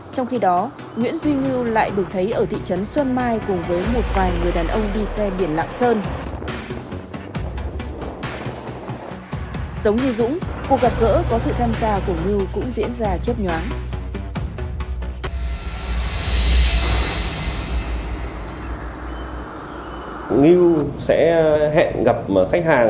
trong khi đó nguyễn duy ngư lại được thấy ở thị trấn xuân mai cùng với một vài người đàn ông đi xe biển lạng sơn